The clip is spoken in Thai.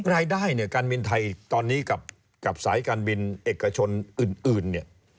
รายได้เนี่ยการบินไทยตอนนี้กับสายการบินเอกชนอื่นเนี่ย